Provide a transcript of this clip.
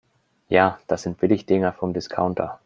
Ja, das sind Billigdinger vom Discounter.